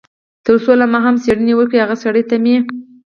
تر څو له ما هم څېړنې وکړي، هغه سړي ته مې.